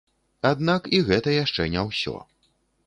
Аднак і гэта яшчэ не ўсё.